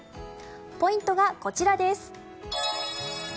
ポイントがこちらです。